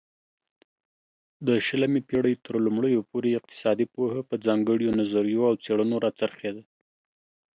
د شلمې پيړۍ ترلومړيو پورې اقتصادي پوهه په ځانگړيو نظريو او څيړنو را څرخيده